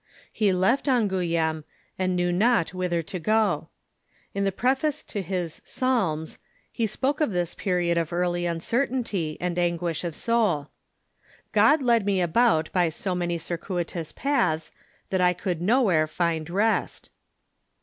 He left Angouleme, and knew not whither to go. In the preface to his " Psalms " he spoke of this period of earl}^ uncertainty and anguish of soul :" God led me about by so many circui tous paths that I could nowhere find rest."